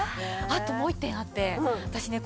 あともう１点あって私ね